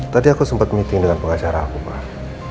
tadi aku sempat meeting dengan pengacara aku pak